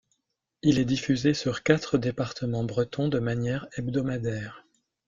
Il est diffusé sur quatre départements bretons de manière hebdomadaire.